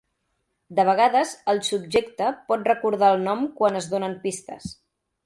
De vegades, el subjecte pot recordar el nom quan es donen pistes.